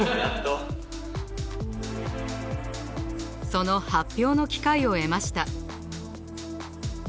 その発表の機会を得ました。